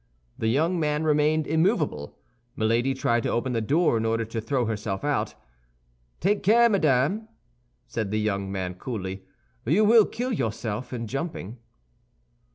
The young man remained immovable. Milady tried to open the door in order to throw herself out. "Take care, madame," said the young man, coolly, "you will kill yourself in jumping."